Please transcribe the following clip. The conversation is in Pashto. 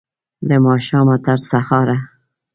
له ماښامه، تر سهاره